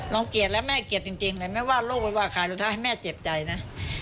เราเกลียดแล้วแม่เกลียดจริงเลยไม่ว่าลูกหรือว่าใครเราต้องให้แม่เจ็บใจนะ